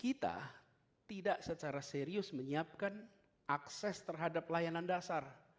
kita tidak secara serius menyiapkan akses terhadap layanan dasar